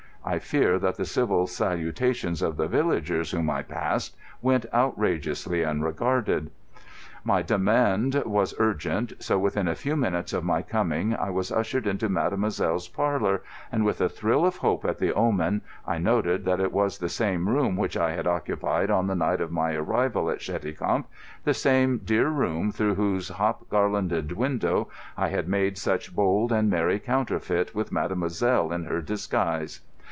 I fear that the civil salutations of the villagers whom I passed went outrageously unregarded. My demand was urgent, so within a very few minutes of my coming I was ushered into mademoiselle's parlour, and with a thrill of hope at the omen I noted that it was the same room which I had occupied on the night of my arrival at Cheticamp, the same dear room through whose hop garlanded window I had made such bold and merry counterfeit with mademoiselle in her disguise.